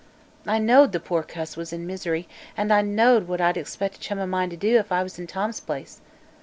I know'd the poor cuss was in misery, an' I know'd what I'd expect a chum o' mine to do if I was in Tom's place.